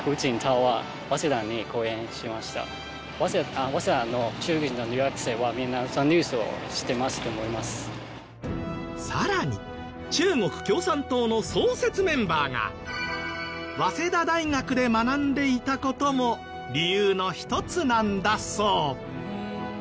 実は中国ではさらに中国共産党の創設メンバーが早稲田大学で学んでいた事も理由の一つなんだそう。